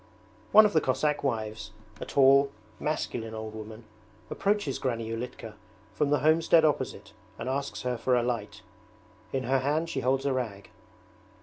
One of the Cossack wives, a tall, masculine old woman, approaches Granny Ulitka from the homestead opposite and asks her for a light. In her hand she holds a rag.